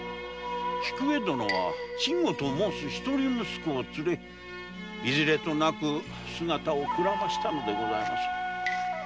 菊江殿は信吾と申す一人息子を連れいずれともなく姿を消したのでございます。